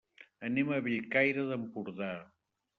Anem a Bellcaire d'Empordà.